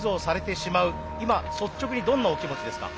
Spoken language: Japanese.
今率直にどんなお気持ちですか？